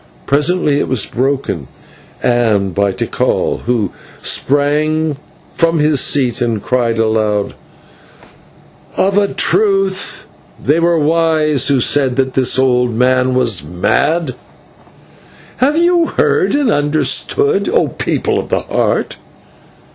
Presently it was broken, and by Tikal, who sprang from his seat and cried aloud: "Of a truth they were wise who said that this old man was mad. Have you heard and understood, O people of the Heart?